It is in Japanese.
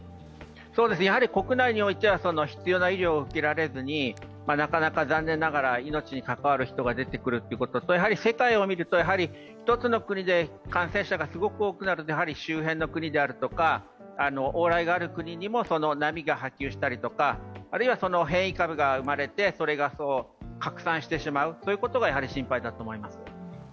やはり国内においては必要な医療を受けられずになかなか残念ながら命にかかわる人が出てくるということと世界を見ると１つの国で感染者がすごく多くなるとやはり周辺の国であるとか往来のある国にも波が波及したり、あるいは変異株が生まれてそれが拡散してしまうということが心配だと思います。